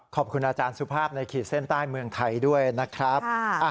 ขอบคุณอาจารย์สุภาพในขีดเส้นใต้เมืองไทยด้วยนะครับ